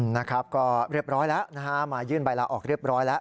นะครับก็เรียบร้อยแล้วนะฮะมายื่นใบลาออกเรียบร้อยแล้ว